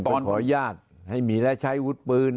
ต้องไปขออนุญาตให้มีแล้วใช้อาวุธปืน